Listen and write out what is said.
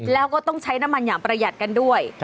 แล้วก็ต้องใช้น้ำมันอย่างประหยัดกันด้วย